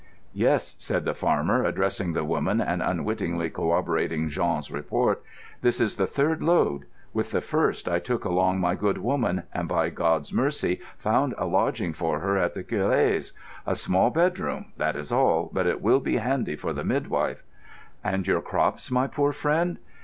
"Yes," said the farmer, addressing the women and unwittingly corroborating Jean's report. "This is the third load. With the first I took along my good woman, and by God's mercy found a lodging for her at the Curé's. A small bedroom—that is all; but it will be handy for the midwife." "And your crops, my poor friend?"